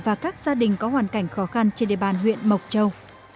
và các gia đình có hoàn cảnh khó khăn trên địa bàn huyện mộc châu